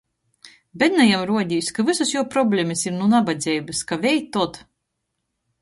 Bednajam ruodīs, ka vysys juo problemys ir nu nabadzeibys, ka, vei, tod.